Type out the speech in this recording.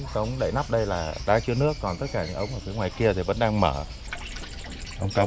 cống đầy nắp đây là đã chứa nước còn tất cả những ống ở phía ngoài kia thì vẫn đang mở trong cống